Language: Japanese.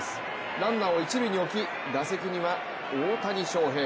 ランナーを一塁に置き打席には大谷翔平。